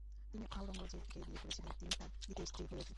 তিনি আওরঙ্গজেবকে বিয়ে করেছিলেন তিনি তার দ্বিতীয় স্ত্রী হয়ে উঠেন।